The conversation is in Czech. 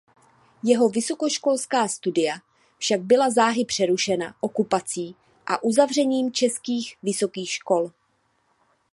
Jeho vysokoškolská studia však byla záhy přerušena okupací a uzavřením českých vysokých škol.